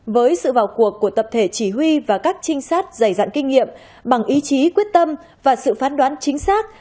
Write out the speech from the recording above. với sự vào cuộc của tập thể chỉ huy và các trinh sát dày dặn kinh nghiệm bằng ý chí quyết tâm và sự phán đoán chính xác